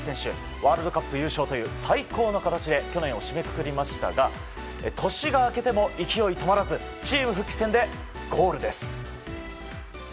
ワールドカップ優勝という最高の形で去年を締めくくりましたが年が明けても勢い止まらずチーム復帰戦でゴールです。